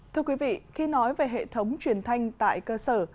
thưa quý vị khi nói về hệ thống truyền thanh tại cơ sở